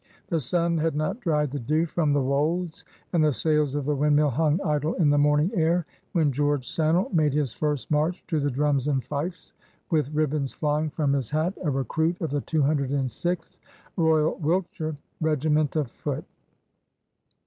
The sun had not dried the dew from the wolds, and the sails of the windmill hung idle in the morning air, when George Sannel made his first march to the drums and fifes, with ribbons flying from his hat, a recruit of the 206th (Royal Wiltshire) Regiment of Foot.